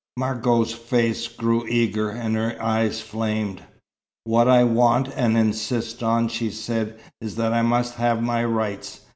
Margot's face grew eager, and her eyes flamed. "What I want and insist on," she said, "is that I must have my rights.